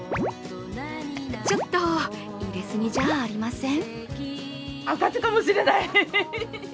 ちょっと入れすぎじゃありません？